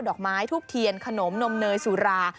อกไม้ทูบเทียนขนมนมเนยสุรา